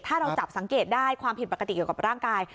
ถ้าเราจับสังเกตได้ความผิดปกติเกี่ยวกับร่างกาย